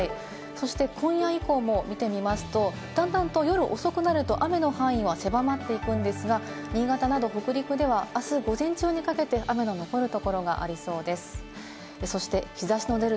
そして今夜以降も見てみますと、段々と夜遅くなると雨の範囲は狭まっていくんですが、新潟など北陸ではあす午前中にかけて雨の残るところがありそうです。